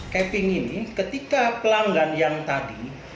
caping ini ketika pelanggan yang tadi